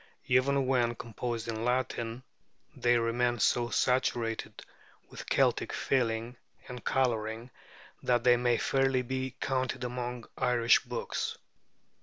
Even when composed in Latin, they remain so saturated with Celtic feeling and coloring that they may fairly be counted among Irish books.